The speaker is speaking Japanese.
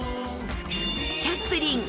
チャップリン